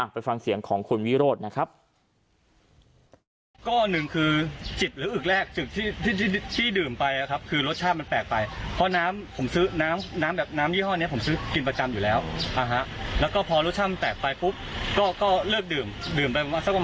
ไปฟังเสียงของคุณวิโรธนะครับ